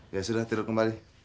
ya sudah tidur kembali